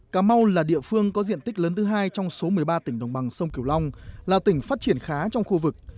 cà mau là địa phương có diện tích lớn thứ hai trong số một mươi ba tỉnh đồng bằng sông kiều long là tỉnh phát triển khá trong khu vực